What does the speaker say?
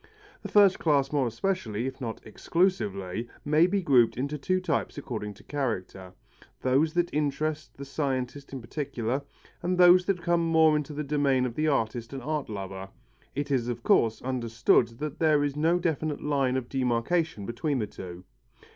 The first class more especially, if not exclusively, may be grouped into two types according to character: those that interest the scientist in particular, and those that come more into the domain of the artist and art lover. It is of course understood that there is no definite line of demarcation between the two.